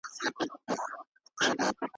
ایا ته پوهېږې چې دا دروازه چا خلاصه کړه؟